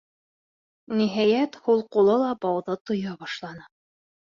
Ниһайәт, һул ҡулы ла бауҙы тоя башланы.